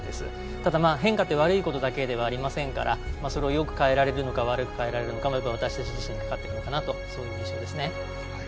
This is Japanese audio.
ただ、変化は悪いことだけではありませんから、それをよく変えられるのか悪く変えられるのかは私たち自身にかかってくるのかなという気持ちです。